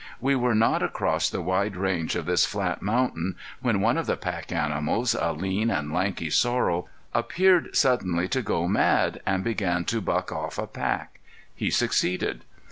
We were not across the wide range of this flat mountain when one of the pack animals, a lean and lanky sorrel, appeared suddenly to go mad, and began to buck off a pack. He succeeded.